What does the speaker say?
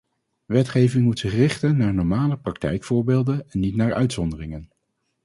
Wetgeving moet zich richten naar normale praktijkvoorbeelden en niet naar uitzonderingen.